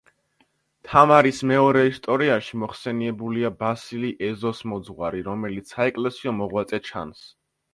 თამარის მეორე ისტორიაში მოხსენიებულია ბასილი ეზოსმოძღვარი, რომელიც საეკლესიო მოღვაწე ჩანს.